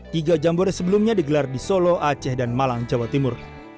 tiga jambore sebelumnya digelar di solo aceh dan malang jawa timur